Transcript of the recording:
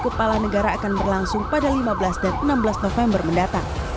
kepala negara akan berlangsung pada lima belas dan enam belas november mendatang